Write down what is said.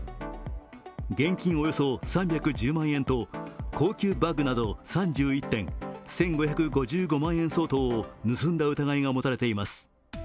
現金およそ３１０万円と高級バッグなど３１点、１５５５万円相当を盗んだ疑いが持たれています。